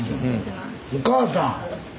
お母さん！